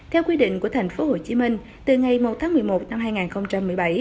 theo quy định của tp hcm từ ngày một tháng một mươi một năm hai nghìn một mươi bảy